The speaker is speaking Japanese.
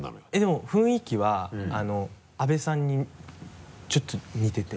雰囲気は阿部さんにちょっと似てて。